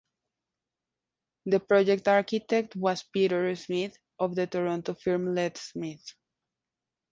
The project architect was Peter Smith, of the Toronto firm Lett-Smith.